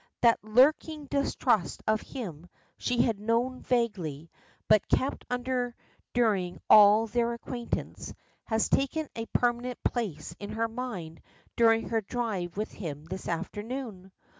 That lurking distrust of him she had known vaguely, but kept under during all their acquaintance, has taken a permanent place in her mind during her drive with him this afternoon.